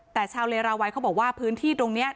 แต่ชาวเลราวัยเขาบอกว่าพื้นที่ตรงนี้